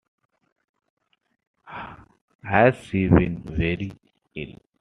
Has she been very ill?